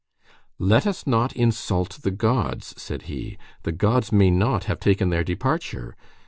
"Let us not insult the gods," said he. "The gods may not have taken their departure.